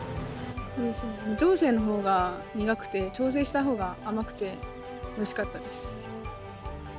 無調整の方が苦くて調整した方が甘くておいしかったです。